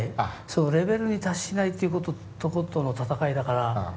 そのレベルに達しないということとの闘いだから。